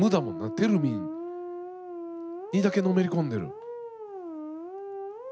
テルミンにだけのめり込んでる。